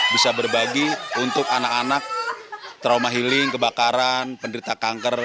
bisa berbagi untuk anak anak trauma healing kebakaran penderita kanker